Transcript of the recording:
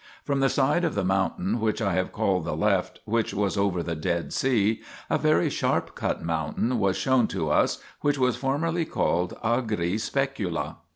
[From] the side of the mountain which I have called the left, which was over the Dead Sea, a very sharp cut mountain was shown to us, which was formerly called Agri specula.